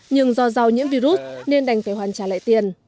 nhưng do rau nhiễm virus nên đành phải hoàn trả lại tiền